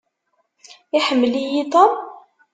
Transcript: Iḥemmel-iyi Tom?